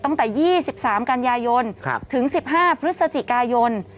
ตั้งแต่๒๓กันยายนถึง๑๕พฤศจิกายน